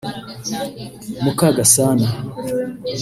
Mukagasana